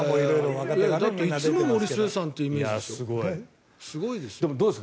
だっていつも森末さんっていうイメージですよ。